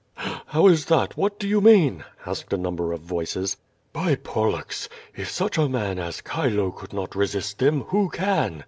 "How is that; what do you mean?'' asked a number of voices. "By Pollux! if such a man as Chilo could not resist them, who can?